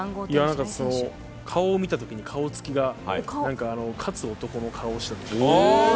顔を見たときに顔つきが勝つ男の顔をしていた。